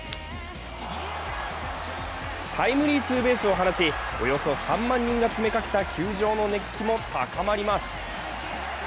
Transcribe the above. タイムリーツーベースを放ち、およそ３万人が詰めかけた球場の熱気も高まります。